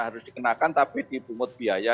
harus dikenakan tapi dipungut biaya